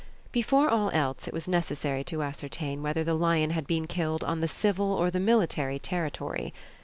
Before all else it was necessary to ascertain whether the lion had been killed on the civil or the military territory.